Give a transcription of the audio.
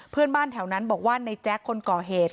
เพื่อนบ้านแถวนั้นบอกว่าในแจ๊คคนก่อเหตุ